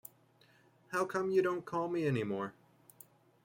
How Come U Don't Call Me Anymore?